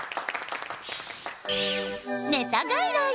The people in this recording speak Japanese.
ネタ外来。